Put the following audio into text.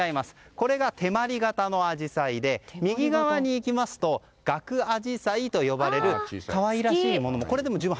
これが手まり型のアジサイで右側に行きますとガクアジサイと呼ばれる可愛らしいもの。